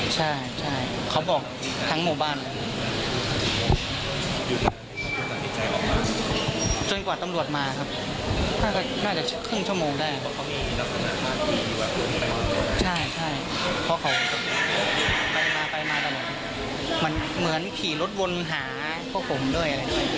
ใช่เพราะเขาไปมาแต่มันเหมือนขี่รถวนหาพวกผมด้วย